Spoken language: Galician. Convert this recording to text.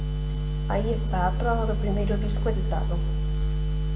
Aí está a proba do primeiro disco editado.